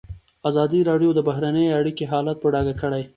ازادي راډیو د بهرنۍ اړیکې حالت په ډاګه کړی.